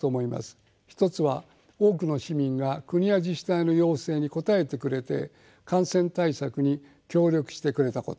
１つは多くの市民が国や自治体の要請に応えてくれて感染対策に協力してくれたこと。